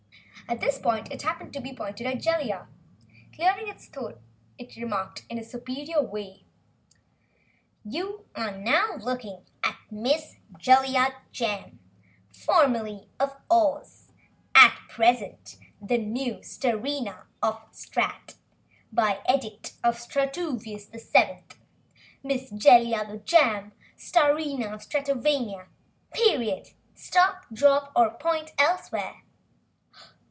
At this point it happened to be pointed at Jellia. Clearing its throat it remarked in a superior way: "You are now looking at Miss Jellia Jam, formerly of Oz, at present new Starina of the Strat, by edict of Strutoovious the Seventh. Miss Jellia Jam, Starina of Stratovania! Period! Stop, drop or point elsewhere!"